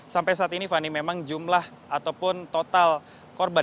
sampai saat ini fani memang jumlah ataupun total korban